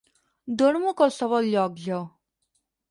Dormo a qualsevol lloc, jo.